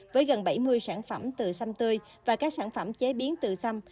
với gần bảy mươi sản phẩm từ sâm tươi và các sản phẩm chế biến từ xăm